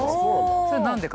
それ何でか？